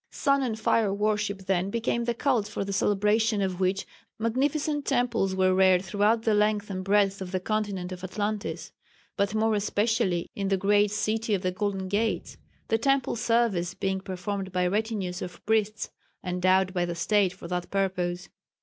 Sun and fire worship then became the cult for the celebration of which magnificent temples were reared throughout the length and breadth of the continent of Atlantis, but more especially in the great "City of the Golden Gates" the temple service being performed by retinues of priests endowed by the State for that purpose.